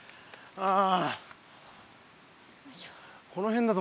ああ。